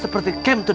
seperti kem to the mad